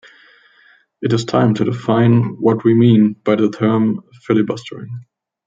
It is time to define what we mean by the term 'filibustering.